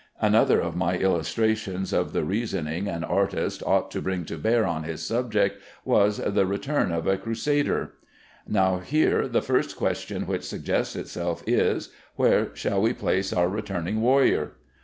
Another of my old illustrations of the reasoning an artist ought to bring to bear on his subject, was "The Return of a Crusader." Now here the first question which suggests itself is: Where shall we place our returning warrior?